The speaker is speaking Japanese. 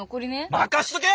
任しとけ！